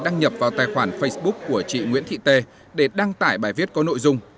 đăng nhập vào tài khoản facebook của chị nguyễn thị tê để đăng tải bài viết có nội dung